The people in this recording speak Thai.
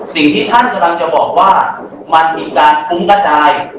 สิ่งที่ท่านกำลังจะบอกว่ามันคือการฟุ้งกระจาย